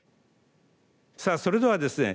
さあそれではですね